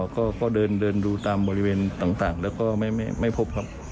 ก็เดินดูตามบริเวณต่างแล้วก็ไม่พบครับ